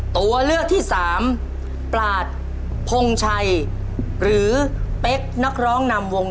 ตัวเลือกที่สอง